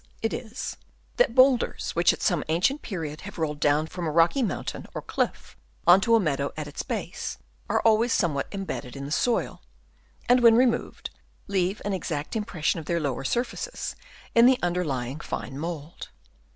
it is, that boulders which at some ancient period have rolled down from a rocky moun tain or cliff on to a meadow at its base, are always somewhat imbedded in the soil ; and, when removed, leave an exact impression of their lower surfaces in the underlying fine mould.